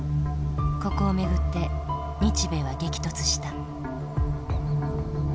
ここを巡って日米は激突した。